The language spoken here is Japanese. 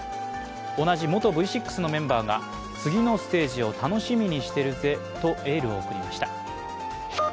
同じ元Ｖ６のメンバーが次のステージを楽しみにしてるぜとエールを送りました。